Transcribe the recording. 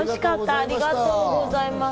ありがとうございます。